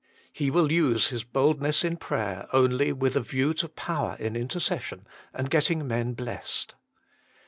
He will use his bold ness in prayer only with a view to power in intercession, and getting men blessed.